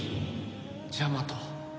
ジャマト。